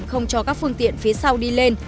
không cho các phương tiện phía sau đi lên